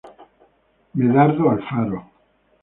Medardo Alfaro.